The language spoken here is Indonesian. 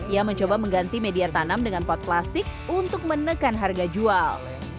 ia mencoba mengganti media tanam dengan pot plastik untuk menekan harga jual